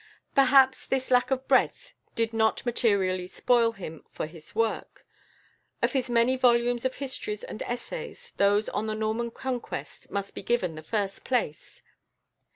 Perhaps this lack of breadth did not materially spoil him for his work. Of his many volumes of histories and essays, those on the "Norman Conquest" must be given the first place.